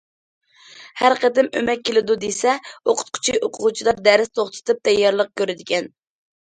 ھەر قېتىم ئۆمەك كېلىدۇ دېسە، ئوقۇتقۇچى، ئوقۇغۇچىلار دەرس توختىتىپ تەييارلىق كۆرىدىكەن.